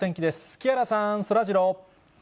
木原さん、そらジロー。